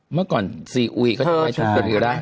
เมื่อก่อนซีอุ๋ยเขาทำไมที่สิริราช